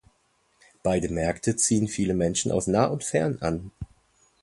Beide Märkte ziehen viele Menschen aus nah und fern an.